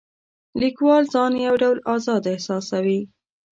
لیکوال ځان یو ډول آزاد احساسوي.